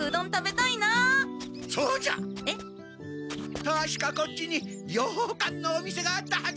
たしかこっちにようかんのお店があったはず。